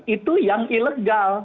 itu yang ilegal